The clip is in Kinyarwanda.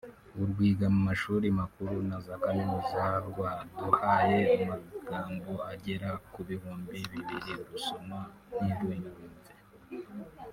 urwiga mu mashuri makuru na za kaminuza rwaduhaye amagambo agera ku bihumbi bibiri rusoma ntiruyumve